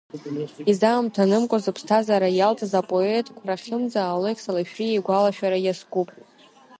Изаамҭанымкәа зыԥсҭазаара иалҵыз апоет-қәрахьымӡа Алықьса Лашәриа игәалашәара иазкуп.